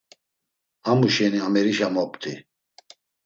Amu şeni amerişa mopti.